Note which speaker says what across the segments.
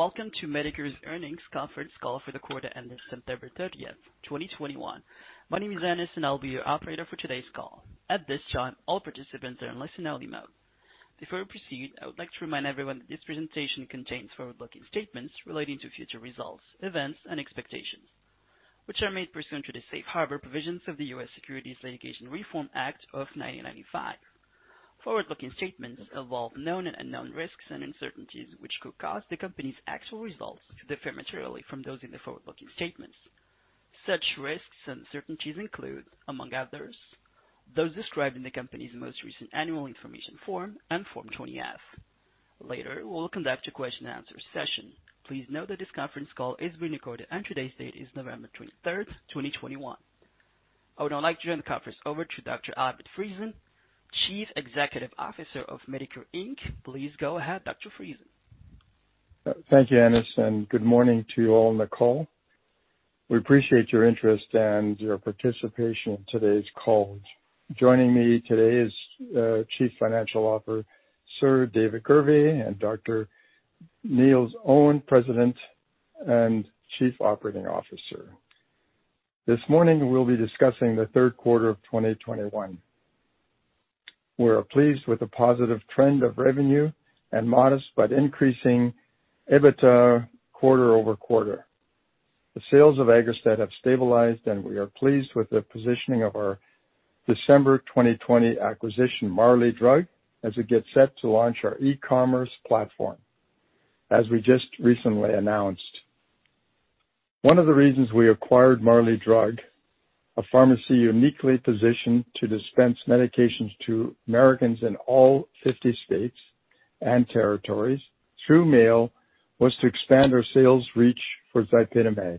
Speaker 1: Welcome to Medicure's Earnings Conference Call for the quarter ended September 30, 2021. My name is Dennis, and I'll be your operator for today's call. At this time, all participants are in Listen-Only Mode. Before we proceed, I would like to remind everyone that this presentation contains Forward-Looking statements relating to future results, events and expectations, which are made pursuant to the safe harbor provisions of the Private Securities Litigation Reform Act of 1995. Forward-Looking statements involve known and unknown risks and uncertainties which could cause the company's actual results to differ materially from those in the Forward-Looking statements. Such risks and uncertainties include, among others, those described in the company's most recent annual information form and Form 20-F. Later, we'll conduct a question and answer session. Please note that this conference call is being recorded and today's date is November 23, 2021. I would now like to turn the conference over to Dr. Albert Friesen, Chief Executive Officer of Medicure Inc. Please go ahead, Dr. Friesen.
Speaker 2: Thank you, Dennis, and good morning to you all on the call. We appreciate your interest and your participation in today's call. Joining me today is Chief Financial Officer David Gurvey and Dr. Neil Owens, President and Chief Operating Officer. This morning we'll be discussing the third quarter of 2021. We are pleased with the positive trend of revenue and modest but increasing EBITDA quarter over quarter. The sales of AGGRASTAT have stabilized, and we are pleased with the positioning of our December 2020 acquisition, Marley Drug, as we get set to launch our E-Commerce platform, as we just recently announced. One of the reasons we acquired Marley Drug, a pharmacy uniquely positioned to dispense medications to Americans in all 50 states and territories through mail, was to expand our sales reach for ZYPITAMAG.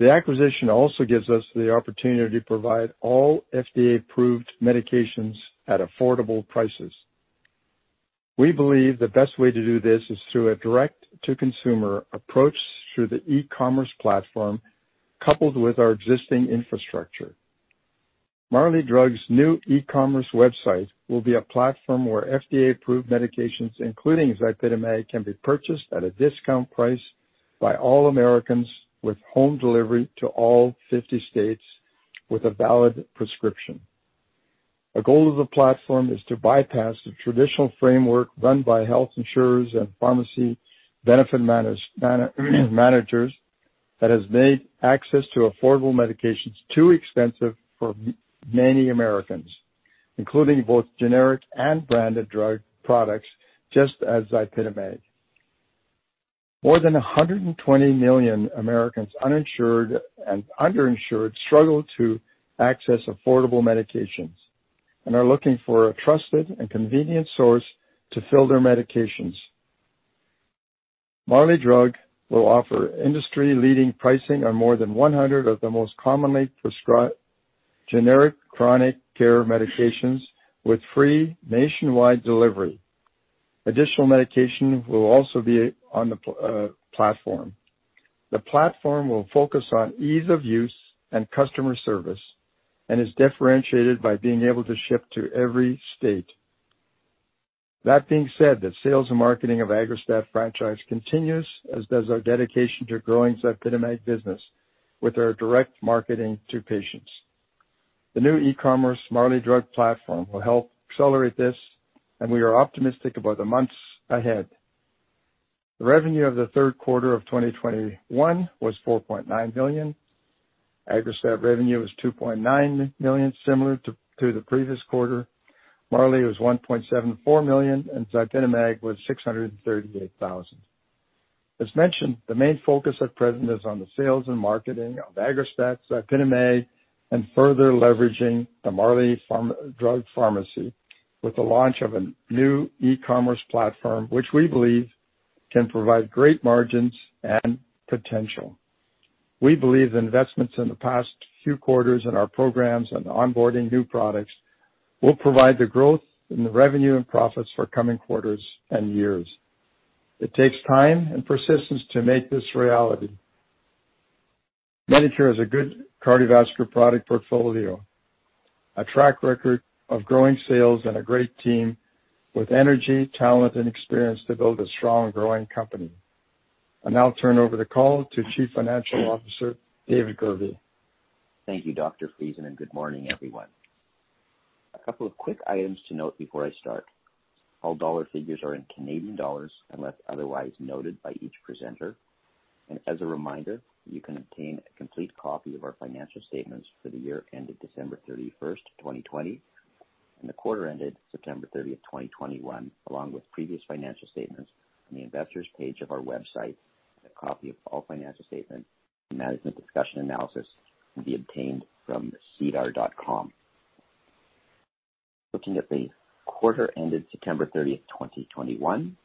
Speaker 2: The acquisition also gives us the opportunity to provide all FDA-approved medications at affordable prices. We believe the best way to do this is through a Direct-To-Consumer approach through the E-Commerce platform, coupled with our existing infrastructure. Marley Drug's new E-Commerce website will be a platform where FDA-Approved medications, including ZYPITAMAG, can be purchased at a discount price by all Americans with home delivery to all 50 states with a valid prescription. A goal of the platform is to bypass the traditional framework run by health insurers and pharmacy benefit managers that has made access to affordable medications too expensive for many Americans, including both generic and branded drug products, just as ZYPITAMAG. More than 120 million Americans, uninsured and underinsured, struggle to access affordable medications and are looking for a trusted and convenient source to fill their medications. Marley Drug will offer Industry-Leading pricing on more than 100 of the most commonly prescribed generic chronic care medications with free nationwide delivery. Additional medication will also be on the platform. The platform will focus on ease of use and customer service and is differentiated by being able to ship to every state. That being said, the sales and marketing of AGGRASTAT franchise continues, as does our dedication to growing ZYPITAMAG business with our direct marketing to patients. The new E-Commerce Marley Drug platform will help accelerate this, and we are optimistic about the months ahead. The revenue of the third quarter of 2021 was 4.9 million. AGGRASTAT revenue was 2.9 million, similar to the previous quarter. Marley was 1.74 million, and ZYPITAMAG was 638 thousand. As mentioned, the main focus at present is on the sales and marketing of AGGRASTAT, ZYPITAMAG, and further leveraging the Marley Drug pharmacy with the launch of a new E-Commerce platform, which we believe can provide great margins and potential. We believe the investments in the past few quarters in our programs and onboarding new products will provide the growth in the revenue and profits for coming quarters and years. It takes time and persistence to make this reality. Medicure has a good cardiovascular product portfolio, a track record of growing sales, and a great team with energy, talent and experience to build a strong growing company. I'll now turn over the call to Chief Financial Officer David Gurvey.
Speaker 3: Thank you, Dr. Friesen, and good morning, everyone. A couple of quick items to note before I start. All dollar figures are in Canadian dollars unless otherwise noted by each presenter. As a reminder, you can obtain a complete copy of our financial statements for the year ended December 31, 2020, and the quarter ended September 30, 2021, along with previous financial statements on the investors page of our website. A copy of all financial statements and management discussion analysis can be obtained from sedar.com. Looking at the quarter ended September 30, 2021,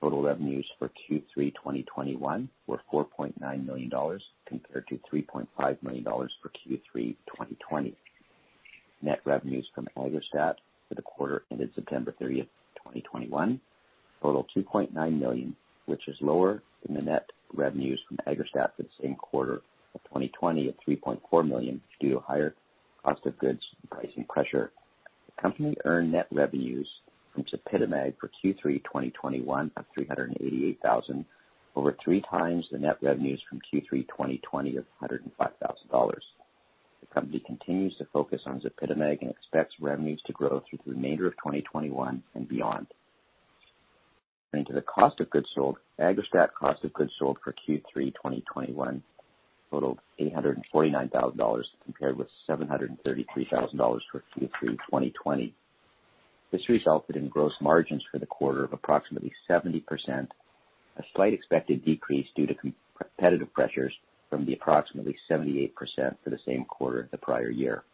Speaker 3: total revenues for Q3 2021 were 4.9 million dollars compared to 3.5 million dollars for Q3 2020. Net revenues from AGGRASTAT for the quarter ended September 30, 2021, total 2.9 million, which is lower than the net revenues from AGGRASTAT for the same quarter of 2020 at 3.4 million, due to higher cost of goods and pricing pressure. The company earned net revenues from ZYPITAMAG for Q3 2021 of 388 thousand, over three times the net revenues from Q3 2020 of 105 thousand dollars. The company continues to focus on ZYPITAMAG and expects revenues to grow through the remainder of 2021 and beyond. Turning to the cost of goods sold. AGGRASTAT cost of goods sold for Q3 2021 totaled 849 thousand dollars compared with 733 thousand dollars for Q3 2020. This resulted in gross margins for the quarter of approximately 70%, a slight expected decrease due to competitive pressures from the approximately 78% for the same quarter of the prior year.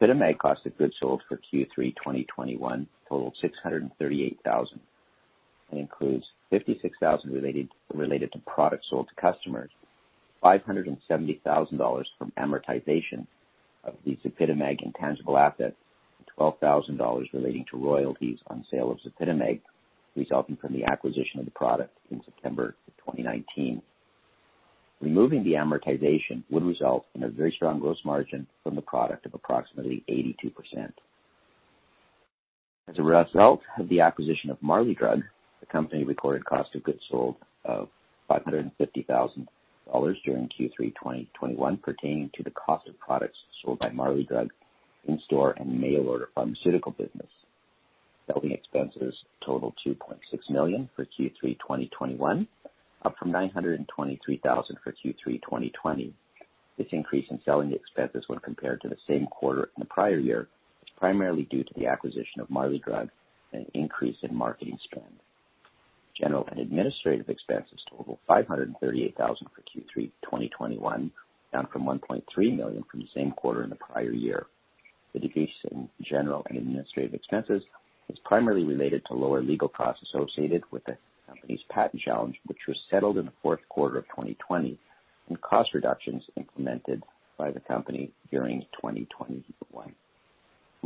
Speaker 3: ZYPITAMAG cost of goods sold for Q3 2021 totaled 638 thousand, and includes 56 thousand related to products sold to customers, 570 thousand dollars from amortization of the ZYPITAMAG intangible asset, and 12 thousand dollars relating to royalties on sale of ZYPITAMAG, resulting from the acquisition of the product in September 2019. Removing the amortization would result in a very strong gross margin from the product of approximately 82%. As a result of the acquisition of Marley Drug, the company recorded cost of goods sold of 550 thousand dollars during Q3 2021 pertaining to the cost of products sold by Marley Drug in store and mail order pharmaceutical business. Selling expenses totaled 2.6 million for Q3 2021, up from 923 thousand for Q3 2020. This increase in selling expenses when compared to the same quarter in the prior year is primarily due to the acquisition of Marley Drug and increase in marketing spend. General and administrative expenses totaled 538 thousand for Q3 2021, down from 1.3 million from the same quarter in the prior year. The decrease in general and administrative expenses is primarily related to lower legal costs associated with the company's patent challenge, which was settled in the fourth quarter of 2020, and cost reductions implemented by the company during 2021.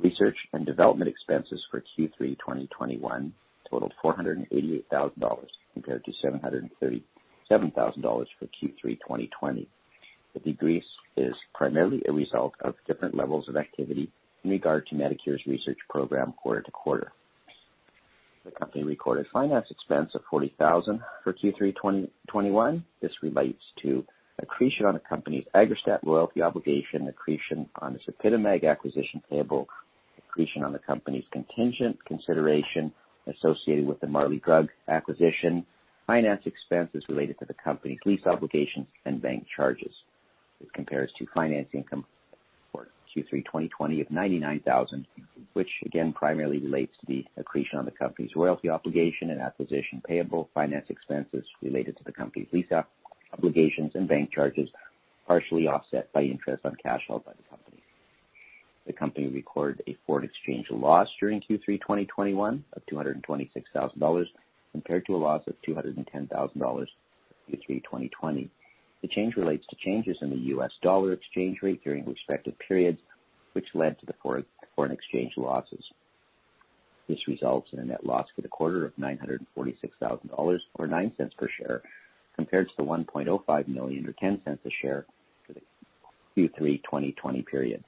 Speaker 3: Research and development expenses for Q3 2021 totaled $488 thousand compared to $737 thousand for Q3 2020. The decrease is primarily a result of different levels of activity in regard to Medicure's research program quarter to quarter. The company recorded finance expense of $40 thousand for Q3 2021. This relates to accretion on the company's AGGRASTAT royalty obligation, accretion on the ZYPITAMAG acquisition payable, accretion on the company's contingent consideration associated with the Marley Drug acquisition, finance expenses related to the company lease obligations and bank charges. This compares to finance income for Q3 2020 of 99,000, which again primarily relates to the accretion on the company's royalty obligation and acquisition payable, finance expenses related to the company's lease obligations and bank charges, partially offset by interest on cash held by the company. The company recorded a foreign exchange loss during Q3 2021 of 226,000 dollars, compared to a loss of 210,000 dollars for Q3 2020. The change relates to changes in the U.S. dollar exchange rate during respective periods, which led to the foreign exchange losses. This results in a net loss for the quarter of 946,000 dollars, or 0.09 per share, compared to 1.05 million, or 10 cents a share for the Q3 2020 period.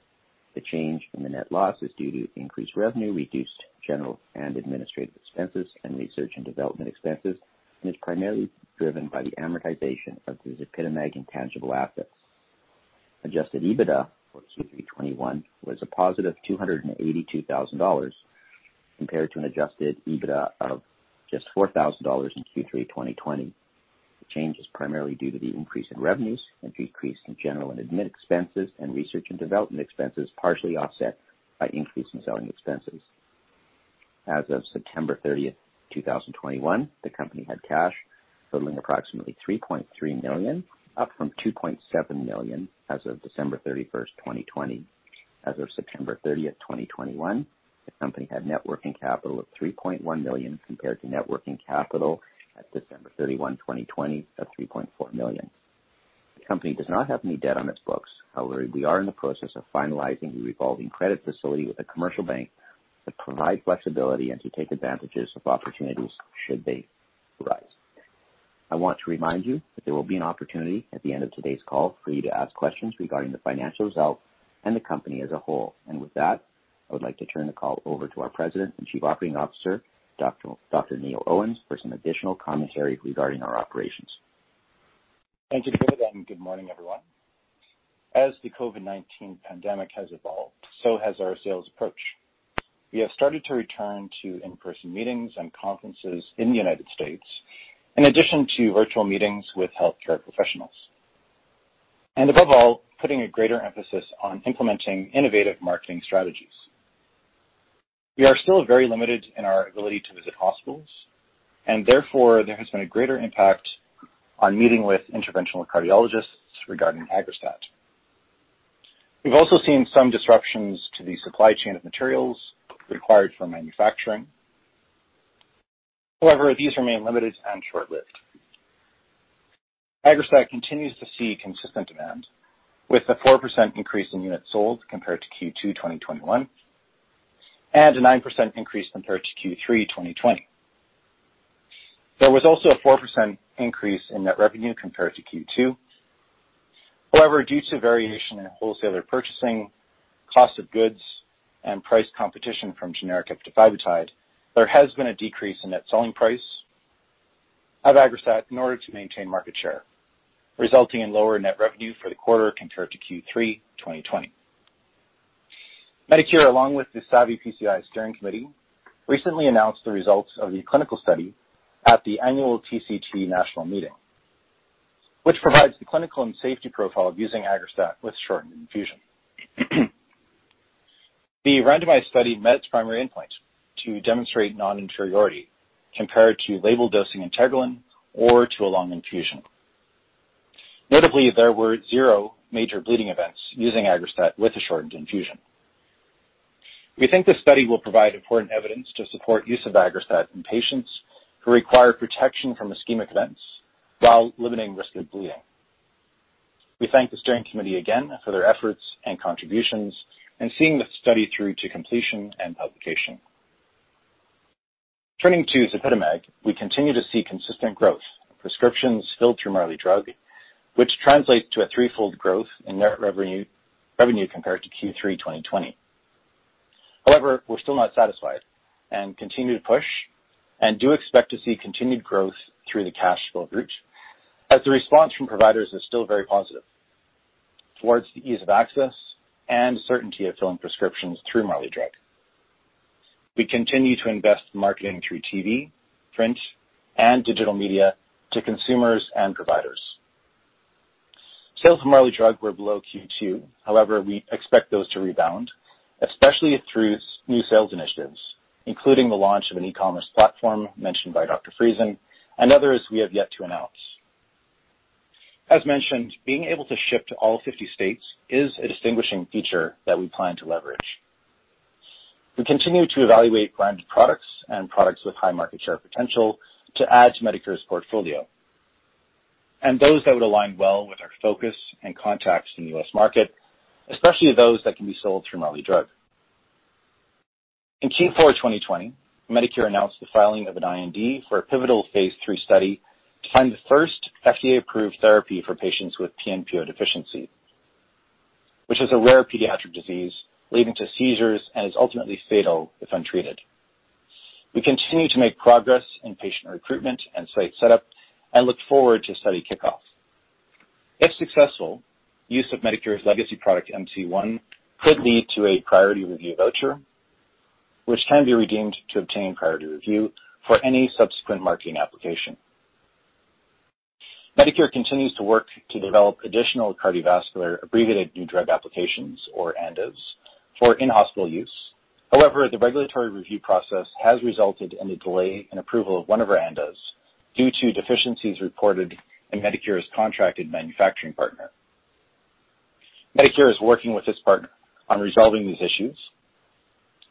Speaker 3: The change in the net loss is due to increased revenue, reduced general and administrative expenses and research and development expenses, and is primarily driven by the amortization of the ZYPITAMAG intangible assets. Adjusted EBITDA for Q3 2021 was a positive 282 thousand dollars compared to an adjusted EBITDA of just 4 thousand dollars in Q3 2020. The change is primarily due to the increase in revenues, a decrease in general and admin expenses, and research and development expenses, partially offset by increase in selling expenses. As of September 30, 2021, the company had cash totaling approximately 3.3 million, up from 2.7 million as of December 31, 2020. As of September 30, 2021, the company had net working capital of 3.1 million, compared to net working capital at December 31, 2020 of 3.4 million. The company does not have any debt on its books. However, we are in the process of finalizing a revolving credit facility with a commercial bank to provide flexibility and to take advantages of opportunities should they arise. I want to remind you that there will be an opportunity at the end of today's call for you to ask questions regarding the financial results and the company as a whole. With that, I would like to turn the call over to our President and Chief Operating Officer, Dr. Neil Owens, for some additional commentary regarding our operations.
Speaker 4: Thank you, David, and good morning, everyone. As the COVID-19 pandemic has evolved, so has our sales approach. We have started to return to In-Person meetings and conferences in the United States, in addition to virtual meetings with healthcare professionals. Above all, putting a greater emphasis on implementing innovative marketing strategies. We are still very limited in our ability to visit hospitals, and therefore there has been a greater impact on meeting with interventional cardiologists regarding AGGRASTAT. We've also seen some disruptions to the supply chain of materials required for manufacturing. However, these remain limited and short-lived. AGGRASTAT continues to see consistent demand, with a 4% increase in units sold compared to Q2 2021, and a 9% increase compared to Q3 2020. There was also a 4% increase in net revenue compared to Q2. However, due to variation in wholesaler purchasing, cost of goods, and price competition from generic eptifibatide, there has been a decrease in net selling price of AGGRASTAT in order to maintain market share, resulting in lower net revenue for the quarter compared to Q3 2020. Medicure, along with the SAVI-PCI Steering Committee, recently announced the results of the clinical study at the annual TCT national meeting, which provides the clinical and safety profile of using AGGRASTAT with shortened infusion. The randomized study met its primary endpoint to demonstrate Non-Inferiority compared to label dosing Integrilin or to a long infusion. Notably, there were zero major bleeding events using AGGRASTAT with a shortened infusion. We think this study will provide important evidence to support use of AGGRASTAT in patients who require protection from ischemic events while limiting risk of bleeding. We thank the steering committee again for their efforts and contributions and seeing the study through to completion and publication. Turning to ZYPITAMAG, we continue to see consistent growth, prescriptions filled through Marley Drug, which translates to a threefold growth in net revenue compared to Q3 2020. However, we're still not satisfied and continue to push and do expect to see continued growth through the cash flow route as the response from providers is still very positive towards the ease of access and certainty of filling prescriptions through Marley Drug. We continue to invest in marketing through TV, print, and digital media to consumers and providers. Sales from Marley Drug were below Q2. However, we expect those to rebound, especially through new sales initiatives, including the launch of an E-Commerce platform mentioned by Dr. Friesen and others we have yet to announce. As mentioned, being able to ship to all fifty states is a distinguishing feature that we plan to leverage. We continue to evaluate branded products and products with high market share potential to add to Medicure's portfolio, and those that would align well with our focus and contacts in the U.S. market, especially those that can be sold through Marley Drug. In Q4 2020, Medicure announced the filing of an IND for a pivotal phase III study to find the first FDA-approved therapy for patients with PNPO deficiency, which is a rare pediatric disease leading to seizures and is ultimately fatal if untreated. We continue to make progress in patient recruitment and site setup and look forward to study kickoff. If successful, use of Medicure's legacy product, MC-1, could lead to a priority review voucher, which can be redeemed to obtain priority review for any subsequent marketing application. Medicure continues to work to develop additional cardiovascular abbreviated new drug applications or ANDAs for In-Hospital use. However, the regulatory review process has resulted in a delay in approval of one of our ANDAs due to deficiencies reported in Medicure's contracted manufacturing partner. Medicure is working with this partner on resolving these issues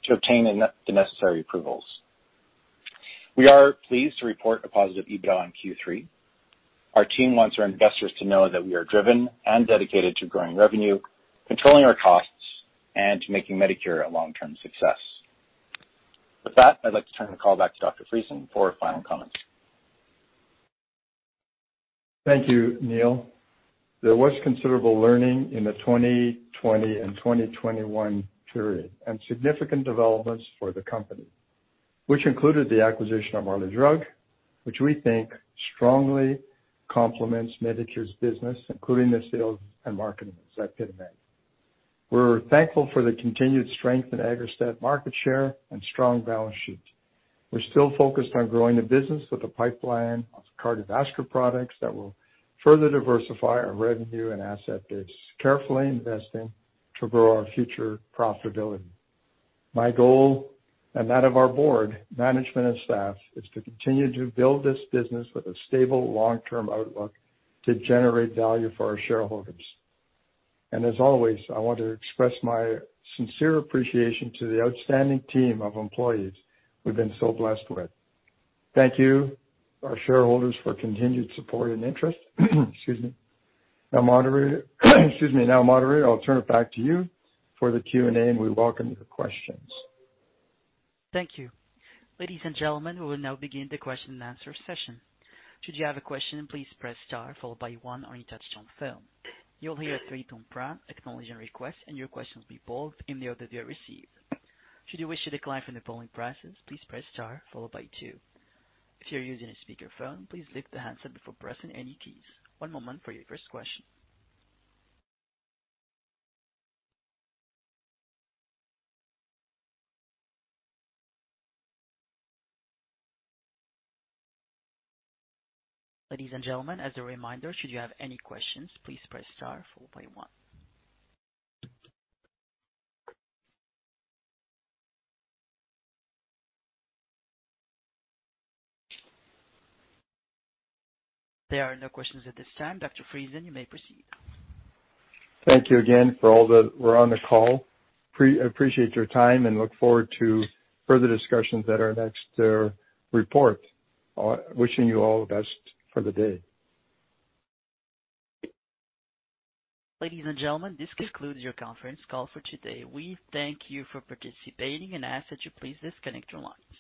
Speaker 4: to obtain the necessary approvals. We are pleased to report a positive EBITDA in Q3. Our team wants our investors to know that we are driven and dedicated to growing revenue, controlling our costs, and to making Medicure a long-term success. With that, I'd like to turn the call back to Dr. Friesen for final comments.
Speaker 2: Thank you, Neil. There was considerable learning in the 2020 and 2021 period and significant developments for the company, which included the acquisition of Marley Drug, which we think strongly complements Medicure's business, including the sales and marketing of ZYPITAMAG. We're thankful for the continued strength in AGGRASTAT market share and strong balance sheet. We're still focused on growing the business with a pipeline of cardiovascular products that will further diversify our revenue and asset base, carefully investing to grow our future profitability. My goal, and that of our board, management, and staff, is to continue to build this business with a stable long-term outlook to generate value for our shareholders. As always, I want to express my sincere appreciation to the outstanding team of employees we've been so blessed with. Thank you our shareholders for continued support and interest. Excuse me. Now, moderator excuse me. Now, moderator, I'll turn it back to you for the Q&A, and we welcome your questions.
Speaker 1: Thank you. Ladies and gentlemen, we will now begin the question and answer session. Should you have a question, please press star followed by one on your touchtone phone. You'll hear a three-tone prompt acknowledging your request, and your question will be pulled in the order they are received. Should you wish to decline from the polling process, please press star followed by two. If you're using a speakerphone, please lift the handset before pressing any keys. One moment for your first question. Ladies and gentlemen, as a reminder, should you have any questions, please press star followed by one. There are no questions at this time. Dr. Friesen, you may proceed.
Speaker 2: Thank you again for all that were on the call. Appreciate your time and look forward to further discussions at our next report. Wishing you all the best for the day.
Speaker 1: Ladies and gentlemen, this concludes your conference call for today. We thank you for participating and ask that you please disconnect your lines.